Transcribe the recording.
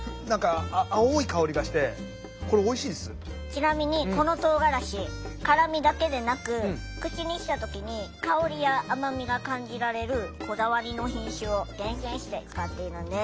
ちなみにこのとうがらし辛みだけでなく口にした時に香りや甘みが感じられるこだわりの品種を厳選して使っているんです。